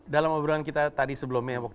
dalam obrolan kita tadi sebelumnya